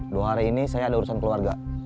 dua hari ini saya ada urusan keluarga